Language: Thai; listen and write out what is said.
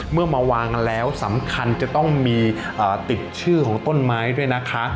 เมื่อมาวางแล้วสำคัญจะต้องมีติดชื่อของต้นไม้ด้วยนะคะ